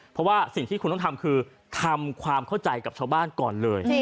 เพราะว่าสิ่งที่คุณต้องทำคือทำความเข้าใจกับชาวบ้านก่อนเลย